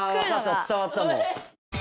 つたわったもん。